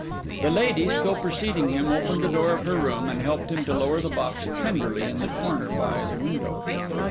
The lady, still preceding him, opened the door of her room, and helped him to lower the box tenderly in the corner by the window.